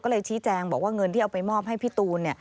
ก็เลยชี้แจงบอกว่าเงินที่เอาไปมอบให้พี่ตูน